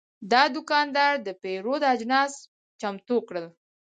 دا دوکاندار د پیرود اجناس چمتو کړل.